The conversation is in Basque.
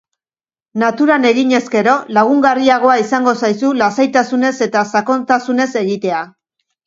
Naturan eginez gero, lagungarriagoa izango zaizu lasaitasunez eta sakontasunez egitea.